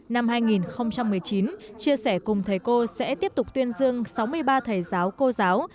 năm hai nghìn một mươi chín chia sẻ cùng thầy cô sẽ tiếp tục tuyên dương sáu mươi ba thầy giáo cô giáo